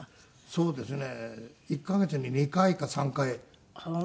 そうですね。